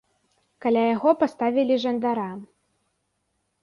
Каля яго паставілі жандара.